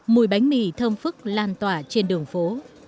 mùi bánh mì thơm phức lan tỏa trên đường phố